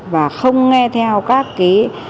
và không nghe theo các cái